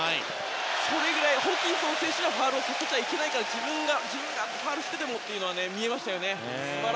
それぐらいホーキンソン選手にファウルをさせちゃいけないから自分がファウルしてでもというのは見えましたよね。